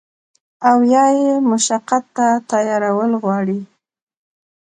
او يا ئې مشقت ته تيارول غواړي